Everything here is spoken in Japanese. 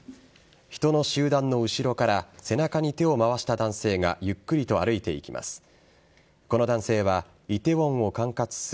人の集団の後ろから、背中に手を回した男性が、ゆっくりと歩いていきます。